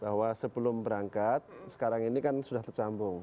bahwa sebelum berangkat sekarang ini kan sudah tersambung